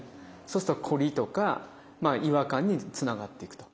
そうするとコリとか違和感につながっていくと。